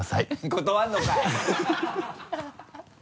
断るのかい！